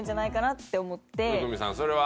生見さんそれは。